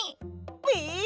え！